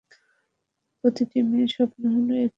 প্রতিটি মেয়ের স্বপ্ন হলো, এক চিমটি সিদুর।